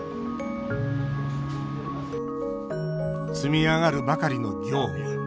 積み上がるばかりの業務。